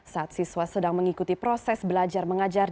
saat siswa sedang mengikuti proses belajar mengajar